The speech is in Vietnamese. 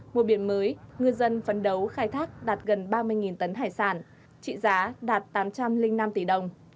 mùa biển mới ngư dân phấn đấu khai thác đạt gần ba mươi tấn hải sản trị giá đạt tám trăm linh năm tỷ đồng